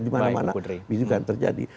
di mana mana itu juga akan terjadi